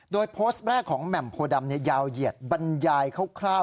โดยโพสต์แรกของแหม่มโพดำยาวเหยียดบรรยายคร่าว